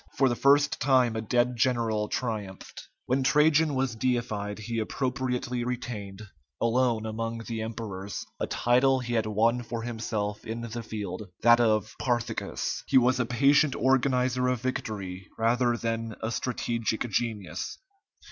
For the first time a dead general triumphed. When Trajan was deified, he appropriately retained, alone among the emperors, a title he had won for himself in the field, that of "Parthicus." He was a patient organizer of victory rather than a strategic genius.